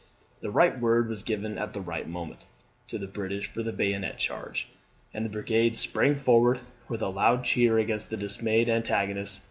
The right word was given at the right moment to the British for the bayonet charge, and the brigade sprang forward with a loud cheer against their dismayed antagonists.